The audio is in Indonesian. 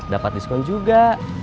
dapat diskon juga